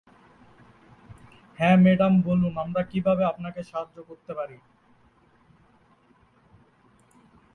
হ্যাঁ, ম্যাডাম বলুন। আমরা কিভাবে আপনাকে সাহায্য করতে পারি।